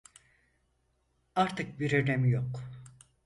Artık bir önemi yok.